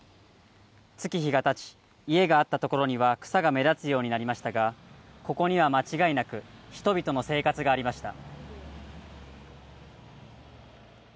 月日がたち、家があったところには草が目立つようになりましたが、ここには間違いなく人々の生活がありました。